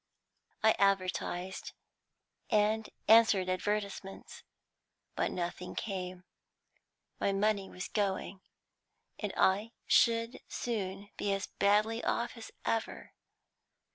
"I advertised, and answered advertisements, but nothing came. My money was going, and I should soon be as badly off as ever.